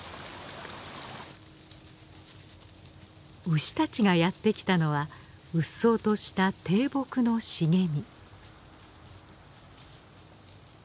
牛たちがやってきたのはうっそうとした低木の茂み。